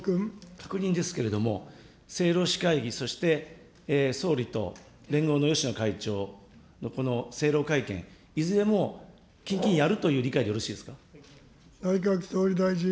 確認ですけれども、政労使会議、そして総理と連合の芳野会長のこの政労会見、いずれも近々にやるという理解でよろしいですか。